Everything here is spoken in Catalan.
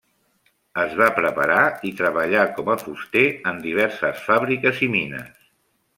Es va preparar i treballà com a fuster en diverses fàbriques i mines.